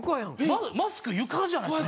まずマスク床じゃないですか。